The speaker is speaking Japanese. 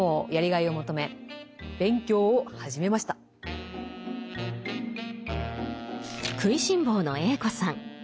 食いしん坊のＡ子さん